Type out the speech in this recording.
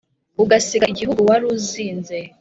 Ugasiga igihugu wari uzinze!